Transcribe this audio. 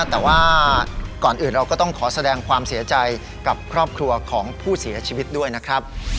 แต่ว่าก่อนอื่นเราก็ต้องขอแสดงความเสียใจกับครอบครัวของผู้เสียชีวิตด้วยนะครับ